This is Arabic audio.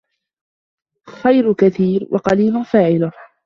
الْخَيْرُ كَثِيرٌ وَقَلِيلٌ فَاعِلُهُ